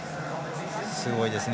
すごいですね。